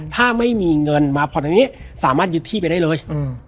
ถ้าไม่มีเงินมาผ่อนทางนี้สามารถยึดที่ไปได้เลย